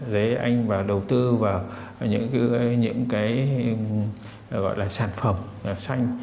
tốt tư vào những cái gọi là sản phẩm xanh